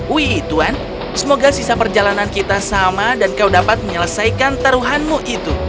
wih tuan semoga sisa perjalanan kita sama dan kau dapat menyelesaikan taruhanmu itu